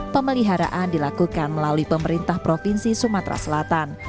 pemeliharaan dilakukan melalui pemerintah provinsi sumatera selatan